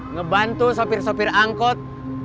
ngebantu sopir sopir angkot